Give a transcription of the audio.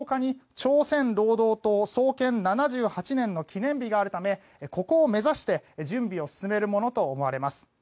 再び打ち上げを宣言した１０月には１０日に朝鮮労働党創建７８年の記念日があるためここを目指して準備を進めるものと思われます。